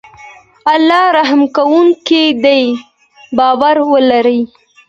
الله رحم کوونکی دی باور ولری